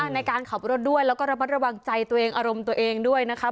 ในการขับรถด้วยแล้วก็ระมัดระวังใจตัวเองอารมณ์ตัวเองด้วยนะคะ